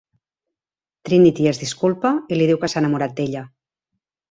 Trinity es disculpa i li diu que s'ha enamorat d'ella.